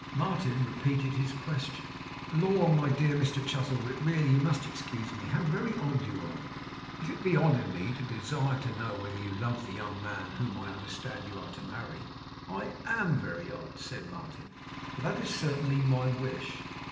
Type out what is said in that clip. Martin repeated his question. 'Lor, my dear Mr Chuzzlewit! really you must excuse me! How very odd you are.' 'If it be odd in me to desire to know whether you love the young man whom I understand you are to marry, I AM very odd,' said Martin. 'For that is certainly my wish.